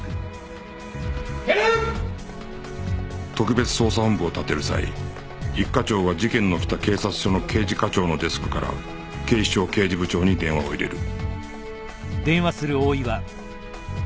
特別捜査本部を立てる際一課長は事件の起きた警察署の刑事課長のデスクから警視庁刑事部長に電話を入れる